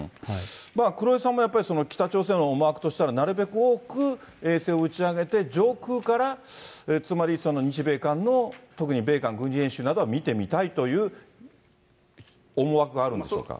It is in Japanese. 黒井さんも、北朝鮮の思惑としたらなるべく多く衛星を打ち上げて、つまりその日米韓の、特に米韓軍事演習などは見てみたいという思惑があるんでしょうか。